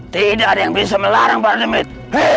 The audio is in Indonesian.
tidak ada yang bisa melarang para demi itu